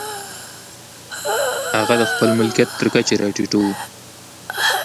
هغه د خپل ملکیت تر کچې را ټیټوو.